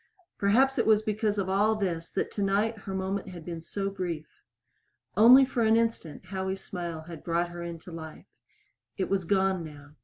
Perhaps it was because of all this that tonight her moment had been so brief. Only for an instant Howie's smile had brought her into life. It was gone now.